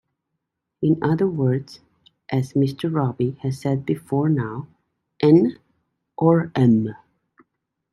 In other words, as Mr Robey has said before now, N or M?